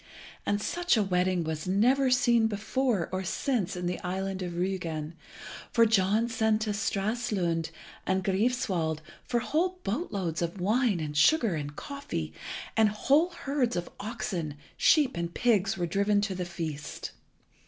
And such a wedding was never seen before or since in the island of Rügen, for John sent to Stralsund and Greifswald for whole boat loads of wine and sugar and coffee; and whole herds of oxen, sheep, and pigs were driven to the feast.